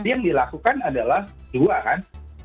yang dilakukan adalah dua kan